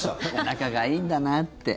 仲がいいんだなって。